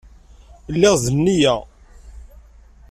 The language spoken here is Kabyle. Lliɣ d nneyya.